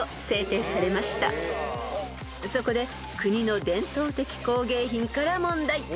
［そこで国の伝統的工芸品から問題］